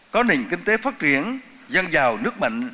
có nền kinh tế phát triển dân giàu nước mạnh